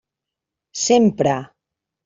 Sempre!